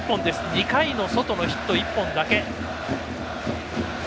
２回のソトのヒット１本だけ。